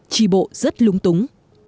trì bộ rất lúng túng